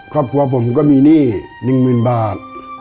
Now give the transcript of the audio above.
ครอบครัวผมก็มีหนี้๑๐๐๐บาท